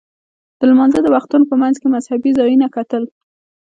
د لمانځه د وختونو په منځ کې مذهبي ځایونه کتل.